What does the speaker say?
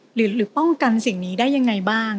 หรือป้องกันสิ่งนี้ได้ยังไงบ้าง